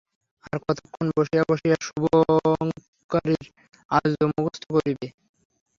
আর কতক্ষণ বসিয়া বসিয়া শুভঙ্করীর আর্য মুখস্থ করিবে?